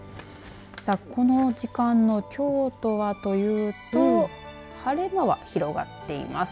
この時間の京都はというと晴れ間は広がっています。